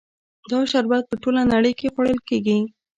دا شربت په ټوله نړۍ کې خوړل کیږي.